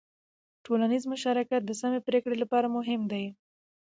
ټولنیز مشارکت د سمې پرېکړې لپاره مهم دی.